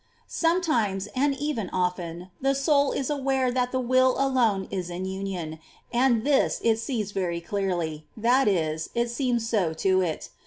6. Sometimes, and even often, the soul is aware Si^oniy*^^ that the will alone is in union ; and this it sees very clearly, — that is, it seems so to it.